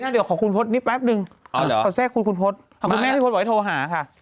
เดี๋ยวขอคุณพศนี้แป๊บนึงขอแทรกคุณคุณพศคุณแม่พี่พศบอกให้โทรหาค่ะ